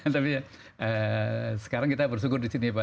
tapi sekarang kita bersyukur di cinepa